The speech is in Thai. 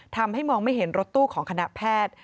ทำให้มองไม่เห็นรถตู้ของคณะแพทย์